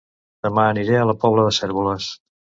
Dema aniré a La Pobla de Cérvoles